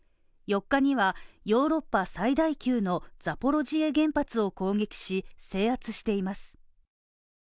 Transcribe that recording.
４日にはヨーロッパ最大級のザポロジエ原発を攻撃し、制圧しています。